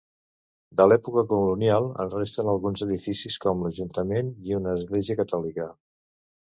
De l'època colonial, en resten alguns edificis com l'ajuntament i una església catòlica.